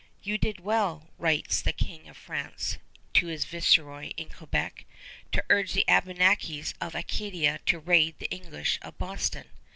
"You did well," writes the King of France to his Viceroy in Quebec, "to urge the Abenakis of Acadia to raid the English of Boston."